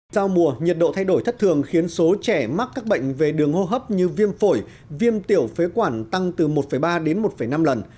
giao mùa nhiệt độ thay đổi thất thường khiến số trẻ mắc các bệnh về đường hô hấp như viêm phổi viêm tiểu phế quản tăng từ một ba đến một năm lần